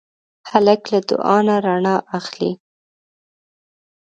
هلک له دعا نه رڼا اخلي.